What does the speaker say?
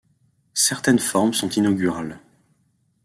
Certaines formes sont inaugurales.